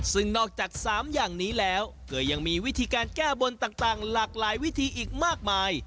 ซึ่งนอกจาก๓อย่างนี้แล้วก็ยังมีวิธีการแก้บนต่างหลากหลายวิธีอีกมากมาย